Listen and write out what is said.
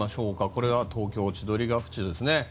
これは東京・千鳥ケ淵です。